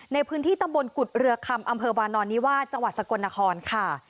ในพื้นที่ตำบลกุฎเรือคำอำเภอวานอนนิวาสจังหวัดสกลนครค่ะ